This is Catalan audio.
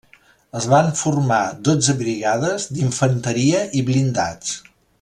Es van formar dotze brigades d'infanteria i blindats.